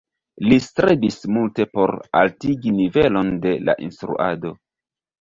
Li strebis multe por altigi nivelon de la instruado.